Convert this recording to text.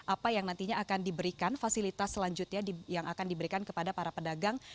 apa yang nantinya akan diberikan fasilitas selanjutnya yang akan diberikan kepada para pedagang